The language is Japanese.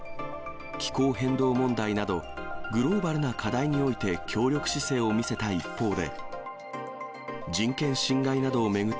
気候変動問題など、グローバルな課題において協力姿勢を見せた一方で。